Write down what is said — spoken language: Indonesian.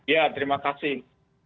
ya terima kasih